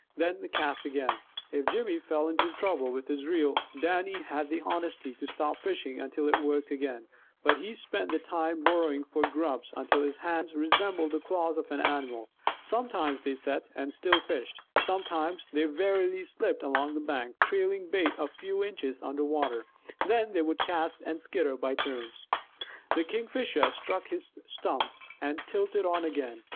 Then they cast again. If Jimmy fell into trouble with his reel, Dannie had the honesty to stop fishing until it worked again, but he spent the time burrowing for grubs until his hands resembled the claws of an animal. Sometimes they sat, and still fished. Sometimes, they warily slipped along the bank, trailing bait a few inches under water. Then they would cast and skitter by turns. The Kingfisher struck his stump, and tilted on again.